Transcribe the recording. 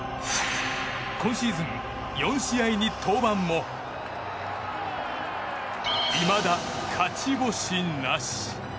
今シーズン４試合に登板もいまだ勝ち星なし。